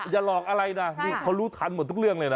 อย่าหลอกอะไรนะนี่เขารู้ทันหมดทุกเรื่องเลยนะ